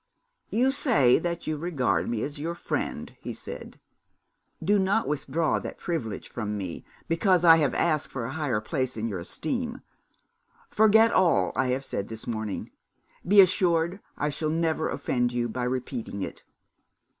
'You say that you regard me as your friend,' he said. 'Do not withdraw that privilege from me because I have asked for a higher place in your esteem. Forget all I have said this morning. Be assured I shall never offend you by repeating it.'